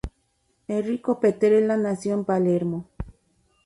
Errico Petrella nació en Palermo.